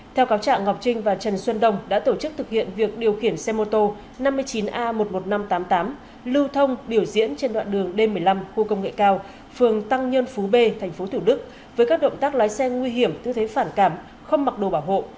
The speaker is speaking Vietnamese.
theo cáo trạng ngọc trinh và trần xuân đông đã tổ chức thực hiện việc điều khiển xe mô tô năm mươi chín a một mươi một nghìn năm trăm tám mươi tám lưu thông biểu diễn trên đoạn đường d một mươi năm khu công nghệ cao phường tăng nhân phú b tp thủ đức với các động tác lái xe nguy hiểm tư thế phản cảm không mặc đồ bảo hộ